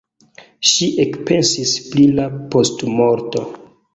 Ŝi ekpensis pri la postmorto.